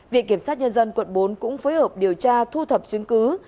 viện kiểm sát nhân dân quận bốn cũng phối hợp điều tra thu thập chứng cứ